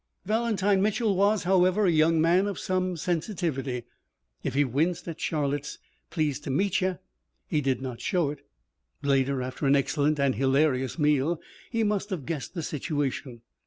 Valentine Mitchel was, however, a young man of some sensitivity. If he winced at Charlotte's "Pleased to meetcher," he did not show it. Later, after an excellent and hilarious meal, he must have guessed the situation.